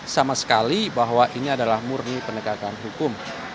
sama sekali bahwa ini adalah murni penegakan hukum